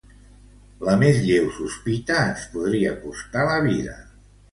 La més lleu sospita ens podria costar la vida.